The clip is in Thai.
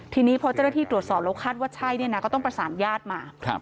ทีนี้พอเจ้าหน้าที่ตรวจสอบแล้วคาดว่าใช่เนี่ยนะก็ต้องประสานญาติมา